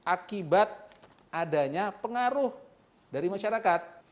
akibat adanya pengaruh dari masyarakat